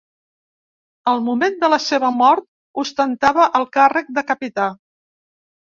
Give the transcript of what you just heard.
Al moment de la seva mort ostentava el càrrec de capità.